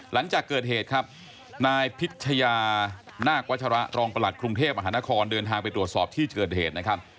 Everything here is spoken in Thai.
หลังจากเกิดเหตุครับนายพิชยานาควัชระรองประหลัดกรุงเทพมหานครเดินทางไปตรวจสอบที่เกิดเหตุนะครับ